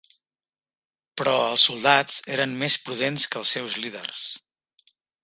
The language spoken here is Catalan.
Però els soldats eren més prudents que els seus líders.